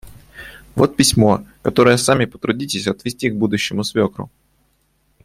Вот письмо, которое сами потрудитесь отвезти к будущему свекру».